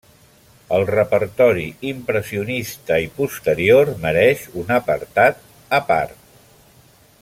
El repertori impressionista i posterior mereix un apartat a part.